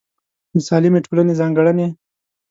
د سالمې ټولنې ځانګړنې